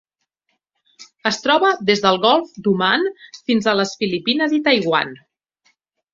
Es troba des del Golf d'Oman fins a les Filipines i Taiwan.